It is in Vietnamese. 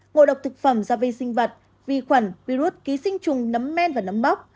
ngộ độc thực phẩm do vi sinh vật vi khuẩn vi rút ký sinh trùng nấm men và nấm bóc